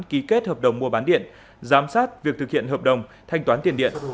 ký kết hợp đồng mua bán điện giám sát việc thực hiện hợp đồng thanh toán tiền điện